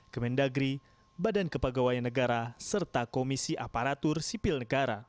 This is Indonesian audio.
kementagri badan kepagawai negara serta komisi aparatur sipil negara